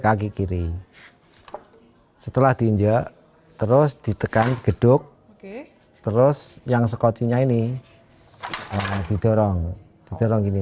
kaki kiri setelah diinjak terus ditekan geduk terus yang skorcinya ini didorong dorong ini